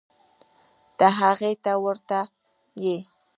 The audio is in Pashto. ته هغې ته ورته یې.